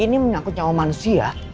ini menakut nyawa manusia